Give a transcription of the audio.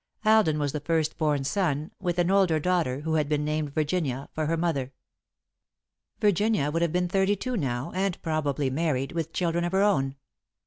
Alden was the first born son, with an older daughter, who had been named Virginia, for her mother. Virginia would have been thirty two now, and probably married, with children of her own.